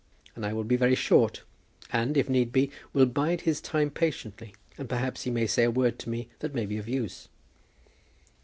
And I will be very short, and, if need be, will bide his time patiently, and perhaps he may say a word to me that may be of use."